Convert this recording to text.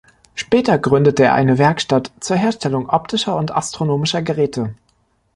Später gründete er eine Werkstatt zur Herstellung optischer und astronomischer Geräte.